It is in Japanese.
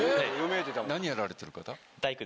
何やられてる方？